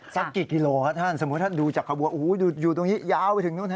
สักกี่กิโลครับท่านสมมุติท่านดูจากขบวนโอ้โหอยู่ตรงนี้ยาวไปถึงนู่น